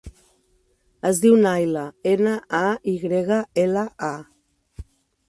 Es diu Nayla: ena, a, i grega, ela, a.